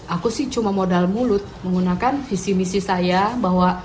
aku sih cuma modal mulut menggunakan visi misi saya bahwa